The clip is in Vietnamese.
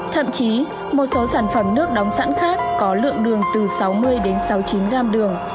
thậm chí một số sản phẩm nước đóng sẵn khác có lượng đường từ sáu mươi đến sáu mươi chín gam đường